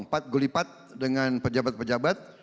empat gulipat dengan pejabat pejabat